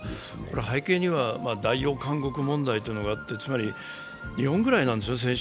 背景には代用監獄問題というのがあってつまり日本ぐらいなんですよ